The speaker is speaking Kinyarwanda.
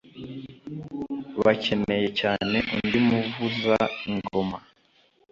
Bakeneye cyane undi muvuza ingoma